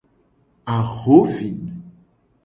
Ahovi.